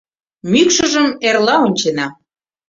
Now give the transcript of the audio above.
Мӱкшыжым эрла ончена.